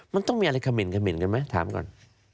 มันต้องมีอะไรคำเหม็นกันไหมถามก่อน